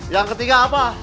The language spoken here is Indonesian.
yang ketiga apa